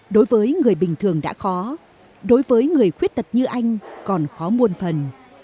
đối với người bình thường đã khó đối với người khuyết tật như anh còn khó muôn phần